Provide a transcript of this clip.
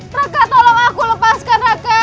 raka tolong aku lepaskan raka